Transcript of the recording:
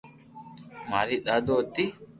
ماري دادو ھتي